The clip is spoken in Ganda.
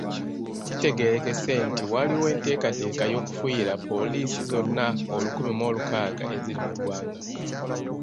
Kitegeerekese nti waliwo enteekateeka y’okufuuyira poliisi zonna olukumi mw'olukaaga eziri mu Ggwanga.